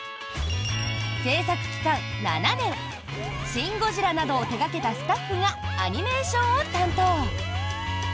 制作期間７年「シン・ゴジラ」などを手掛けたスタッフがアニメーションを担当。